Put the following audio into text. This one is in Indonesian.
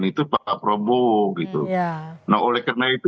itu pak prabowo gitu nah oleh karena itu